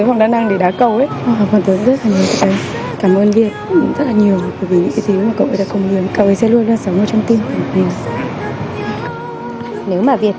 vẫn vàng đầu đầy tiếng guitar của việt